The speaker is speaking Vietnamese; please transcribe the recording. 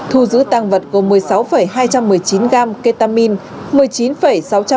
thu giữ tăng vật gồm một mươi sáu hai trăm một mươi chín gram ketamine